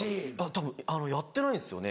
たぶんやってないんですよね